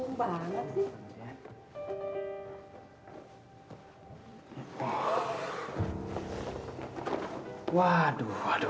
gak nyambung banget sih